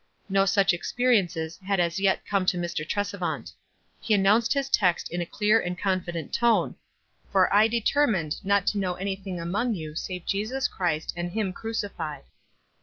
No such ex periences had as yet come to Mr. Trescvant. He announced his text in a clear and confident tone: "For I determined not to know any thing among you save Jesus Christ, and him crucified."